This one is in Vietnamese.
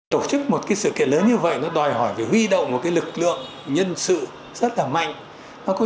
tổ chức một cái sự kiện lớn như vậy nó đòi hỏi về huy động một lực lượng nhân sự rất là mạnh nó có